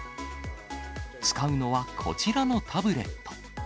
使うのはこちらのタブレット。